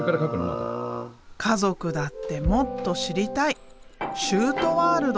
家族だってもっと知りたい修杜ワールド。